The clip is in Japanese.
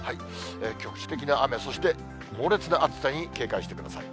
局地的な雨、そして猛烈な暑さに警戒してください。